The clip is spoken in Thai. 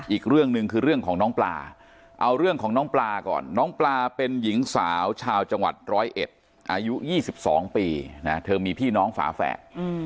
อีกเรื่องหนึ่งคือเรื่องของน้องปลาเอาเรื่องของน้องปลาก่อนน้องปลาเป็นหญิงสาวชาวจังหวัด๑๐๑อายุ๒๒ปีนะเธอมีพี่น้องฝาแฝด